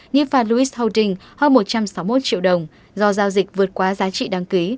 như phạt lewis holdings hơn một trăm sáu mươi một triệu đồng do giao dịch vượt quá giá trị đăng ký